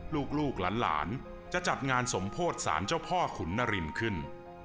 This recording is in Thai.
ลูกหลานจะจัดงานสมโพธิสารเจ้าพ่อขุนนรินขึ้น